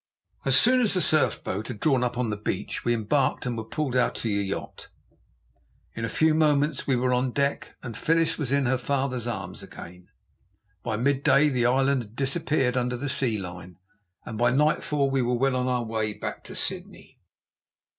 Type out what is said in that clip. As soon as the surf boat had drawn up on the beach we embarked and were pulled out to the yacht. In a few moments we were on deck, and Phyllis was in her father's arms again. By mid day the island had disappeared under the sea line, and by nightfall we were well on our way back to Sydney.